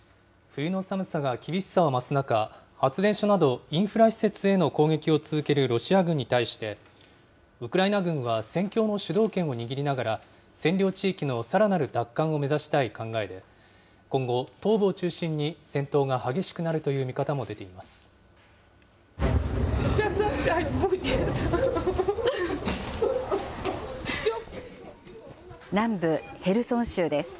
冬の寒さが厳しさを増す中、発電所などインフラ施設への攻撃を続けるロシア軍に対して、ウクライナ軍は戦況の主導権を握りながら、占領地域のさらなる奪還を目指したい考えで、今後、東部を中心に戦闘が激しくなるという見方も出ています。